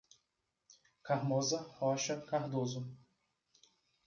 Carmoza Rocha Cardozo